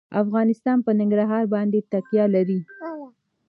افغانستان په ننګرهار باندې تکیه لري.